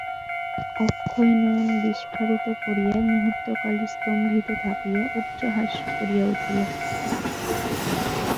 অক্ষয় নয়ন বিস্ফারিত করিয়া মুহূর্তকাল স্তম্ভিত থাকিয়া উচ্চহাস্য করিয়া উঠিল।